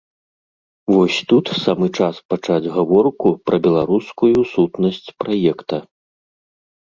Вось тут самы час пачаць гаворку пра беларускую сутнасць праекта.